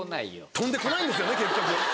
飛んでこないんですよね結局。